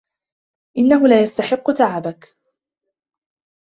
انه لا يستحق تعبك.